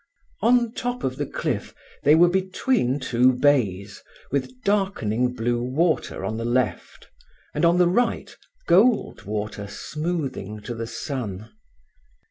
On the top of the cliff they were between two bays, with darkening blue water on the left, and on the right gold water smoothing to the sun.